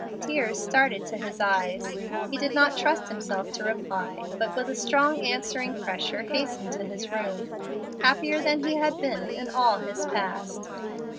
Tears started to his eyes. He did not trust himself to reply, but, with a strong answering pressure, hastened to his room, happier than he had been in all his past.